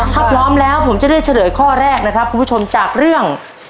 ถ้าพร้อมแล้วผมจะได้เฉลยข้อแรกนะครับคุณผู้ชมจากเรื่อง